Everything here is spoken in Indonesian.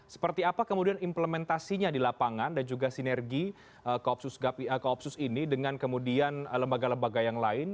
seperti apa kemudian implementasinya di lapangan dan juga sinergi koopsus ini dengan kemudian lembaga lembaga yang lain